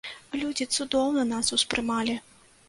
Людзі цудоўна нас успрымалі!